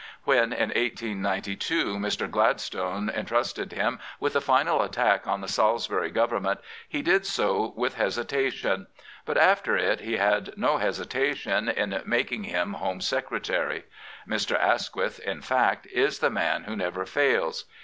When in 1892 Mr, Gladstone entrusted him with the final attack on the Salisbury Government, he did so with hesitation. But after it he had no hesitation in making him Home Secretary, Mr. Asquith, in fact, is the man who never fails.